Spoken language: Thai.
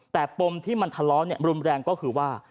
แต่ปมที่มันทะเลาะรุนแรงก็คือว่า